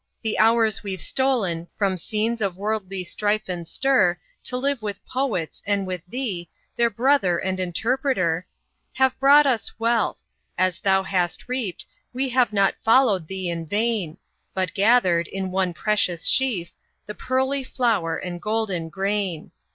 The hours we've stolen From scenes of worldly strife and stir, To live with poets, and with thee, Their brother and interpreter, Have brought us wealth; as thou hast reaped, We have not followed thee in vain, But gathered, in one precious sheaf, The pearly flower and golden grain.